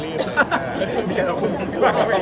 เฮ้ยเพราะมันดี